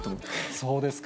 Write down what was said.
そうですか。